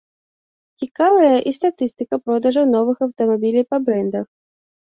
Цікавая і статыстыка продажаў новых аўтамабіляў па брэндах.